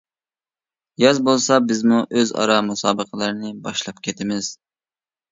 ياز بولسا بىزمۇ ئۆز ئارا مۇسابىقىلەرنى باشلاپ كىتىمىز.